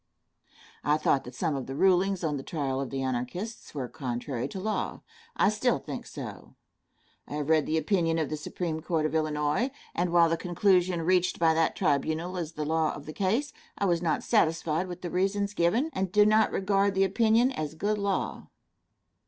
I thought that some of the rulings on the trial of the Anarchists were contrary to law. I think so still. I have read the opinion of the Supreme Court of Illinois, and while the conclusion reached by that tribunal is the law of that case, I was not satisfied with the reasons given, and do not regard the opinion as good law.